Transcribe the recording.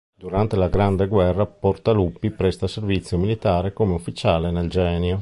Durante la Grande Guerra Portaluppi presta servizio militare come ufficiale nel Genio.